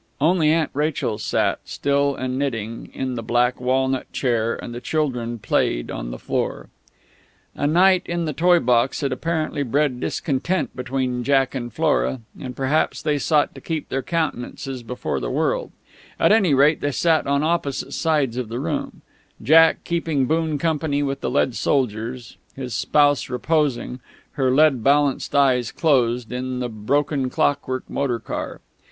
Only Aunt Rachel sat, still and knitting, in the black walnut chair; and the children played on the floor. A night in the toy box had apparently bred discontent between Jack and Flora or perhaps they sought to keep their countenances before the world; at any rate, they sat on opposite sides of the room, Jack keeping boon company with the lead soldiers, his spouse reposing, her lead balanced eyes closed, in the broken clockwork motor car.